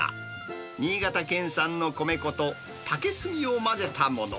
新潟県産の米粉と、竹炭を混ぜたもの。